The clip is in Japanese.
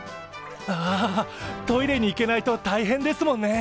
ああトイレに行けないと大変ですもんね！